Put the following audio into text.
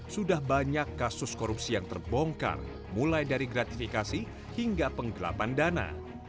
sudah banyak kasus korupsi yang terbongkar mulai dari gratifikasi hingga penggelapan dana